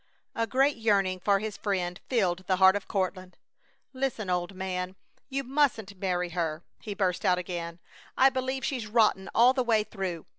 A great yearning for his friend filled the heart of Courtland. "Listen, old man, you mustn't marry her!" he burst out again. "I believe she's rotten all the way through.